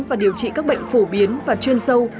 và điều trị các bệnh phổ biến và chuyên sâu